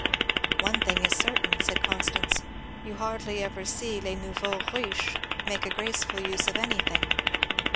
"One thing is certain," said Constance, "you hardly ever see les nouveaux riches make a graceful use of anything.